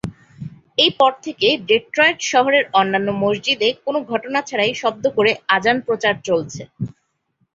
এই পর থেকে, ডেট্রয়েট শহরের অন্যন্য মসজিদে কোন ঘটনা ছাড়াই শব্দ করে আযান প্রচার চলছে।